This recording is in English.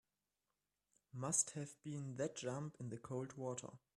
Must have been that jump in the cold water.